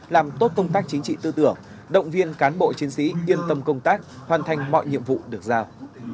làm tốt công tác chính trị tư tưởng động viên cán bộ chiến sĩ yên tâm công tác hoàn thành mọi nhiệm vụ được giao